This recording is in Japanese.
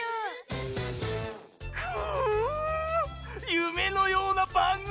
ゆめのようなばんぐみ！